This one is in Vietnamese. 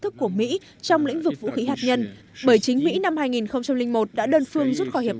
thức của mỹ trong lĩnh vực vũ khí hạt nhân bởi chính mỹ năm hai nghìn một đã đơn phương rút khỏi hiệp